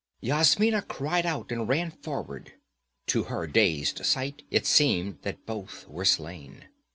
Yasmina cried out and ran forward; to her dazed sight it seemed that both were slain.